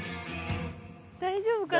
大丈夫かな？